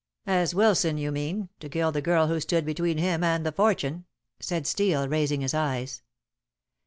"As Wilson, you mean, to kill the girl who stood between him and the fortune," said Steel, raising his eyes.